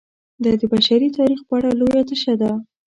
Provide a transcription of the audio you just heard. دا د بشري تاریخ په اړه لویه تشه ده.